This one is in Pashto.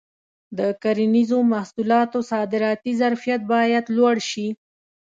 د کرنیزو محصولاتو صادراتي ظرفیت باید لوړ شي.